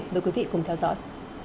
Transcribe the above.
mời quý vị cùng theo dõi